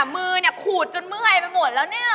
มือขูดจนเมื่อยไปหมดแล้วนี่